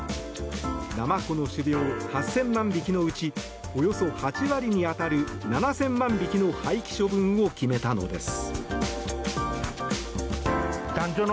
ナマコの種苗８０００万匹のうちおよそ８割に当たる７０００万匹の廃棄処分を決めたのです。